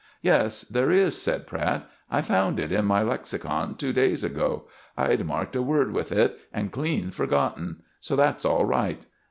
"Yes, there is," said Pratt; "I found it in my lexicon two days ago. I'd marked a word with it and clean forgotten. So that's all right."